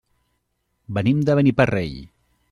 Venim de Beniparrell.